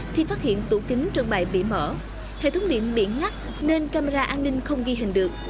thì phát hiện tủ kính trưng bày bị mở hệ thống điện bị ngắt nên camera an ninh không ghi hình được